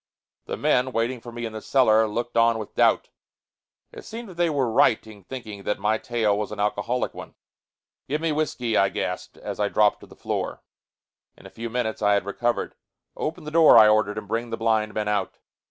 The men, waiting for me in the cellar, looked on with doubt. It seemed that they were right in thinking that my tale was an alcoholic one. "Give me whisky!" I gasped, as I dropped on the floor. In a few minutes I had recovered. "Open the door," I ordered. "And bring the blind men out."